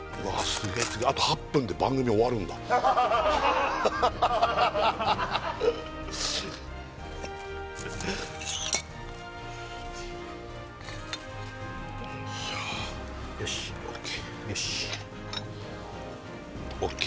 すげえあと８分で番組終わるんだよしよしＯＫＯＫ